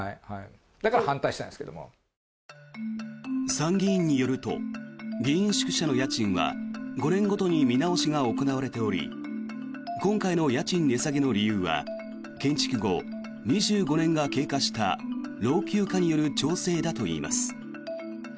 参議院によると議員宿舎の家賃は５年ごとに見直しが行われており今回の家賃値下げの理由は建築後２５年が経過した老朽化による調整だといいます。